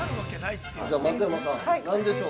◆松山さん、何でしょう？